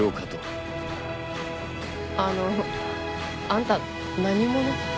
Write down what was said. あのうあんた何者？